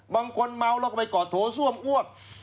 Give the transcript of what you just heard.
บางคนเมาแล้วก็ไปกอดโถส้วมอ้วก